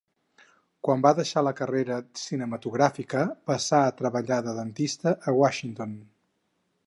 Quan va deixar la carrera cinematogràfica passà a treballar de dentista a Washington.